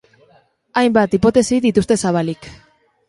Hainbat hipotesi dituzte zabalik.